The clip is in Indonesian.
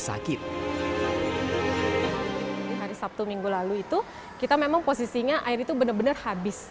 sakit di hari sabtu minggu lalu itu kita memang posisinya air itu benar benar habis